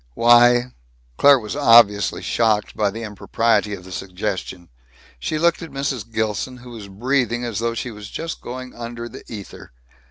"Why " Claire was obviously shocked by the impropriety of the suggestion. She looked at Mrs. Gilson, who was breathing as though she was just going under the ether.